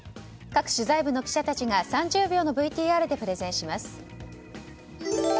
各取材部の記者たちが３０秒のＶＴＲでプレゼンします。